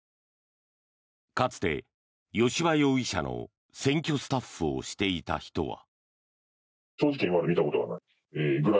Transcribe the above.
かつて、吉羽容疑者の選挙スタッフをしていた人は。